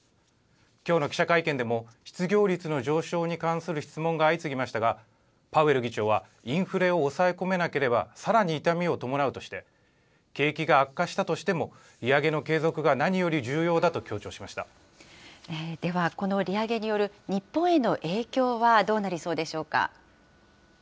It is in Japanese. きょうの記者会見でも、失業率の上昇に関する質問が相次ぎましたが、パウエル議長はインフレを抑え込めなければ、さらに痛みを伴うとして、景気が悪化したとしても、利上げの継続が何より重要だと強では、この利上げによる日本への影響はどうなりそうでしょうか。